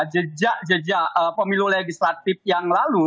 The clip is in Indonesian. jejak jejak pemilu legislatif yang lalu